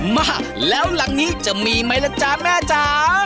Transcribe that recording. มาแล้วหลังนี้จะมีไหมล่ะจ๊ะแม่จ๋า